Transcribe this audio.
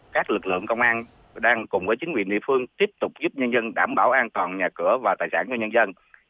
các lực lượng công an đang cùng với chính quyền địa phương tiếp tục giúp nhân dân đảm bảo an toàn nhà cửa và tài sản cho nhân dân